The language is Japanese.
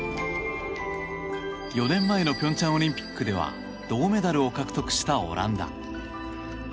４年前の平昌オリンピックでは銅メダルを獲得したオランダ。